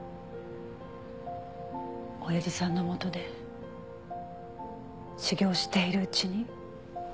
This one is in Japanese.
おやじさんのもとで修業しているうちに。